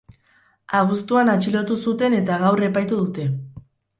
Abuztuan atxilotu zuten eta gaur epaitu dute.